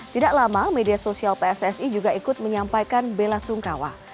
tidak lama media sosial pssi juga ikut menyampaikan bela sungkawa